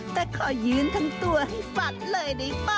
แต่ขอยืนทั้งตัวให้ฝัดเลยได้ป่ะ